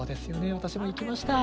私も行きました。